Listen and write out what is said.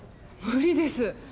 無理です。